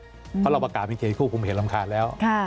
เพราะเราประกาศเป็นเขตควบคุมเหตุรำคาญแล้ว